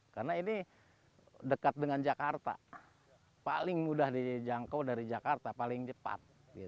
karena ini dekat dengan jakarta paling mudah dijangkau dari jakarta paling cepat